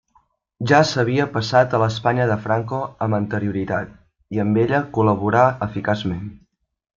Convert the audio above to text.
Ja s'havia passat a l'Espanya de Franco amb anterioritat, i amb ella col·laborà eficaçment.